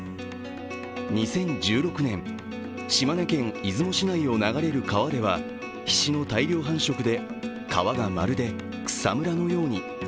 ２０１６年、島根県出雲市内を流れる川ではヒシの大量繁殖で川がまるで草むらのように。